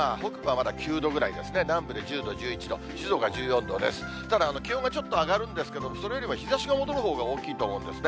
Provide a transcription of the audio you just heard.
ただ、気温がちょっと上がるんですけど、それよりも日ざしが戻るほうが大きいと思うんですね。